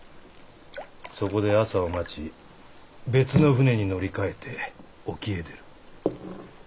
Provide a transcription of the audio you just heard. そこで朝を待ち別の舟に乗り換えて沖へ出る。